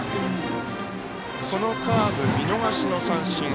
このカーブ、見逃しの三振。